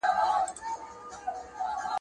که نجونې شورا جوړه کړي نو مشوره به نه وي غلطه.